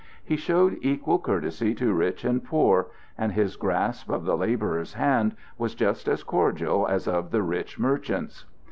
He showed equal courtesy to rich and poor, and his grasp of the laborer's hand was just as cordial as of the rich merchant's.